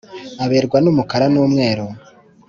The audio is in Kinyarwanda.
Aberwa numukara n’umweru